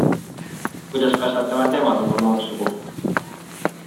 Kuidas kasvatavad nemad oma noorsugu?